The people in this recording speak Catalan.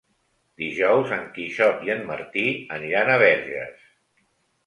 Dijous en Quixot i en Martí aniran a Verges.